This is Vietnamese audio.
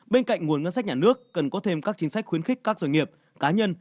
bên cạnh nguồn ngân sách nhà nước cần có thêm các chính sách khuyến khích các doanh nghiệp cá nhân